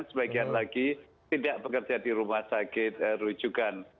sebagian lagi tidak bekerja di rumah sakit rujukan